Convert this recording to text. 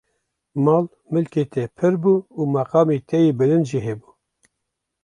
mal, milkê te pir bû û meqamê te yê bilind jî hebû.